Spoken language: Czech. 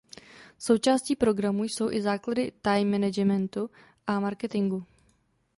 Součástí programu jsou i základy time managementu a marketingu.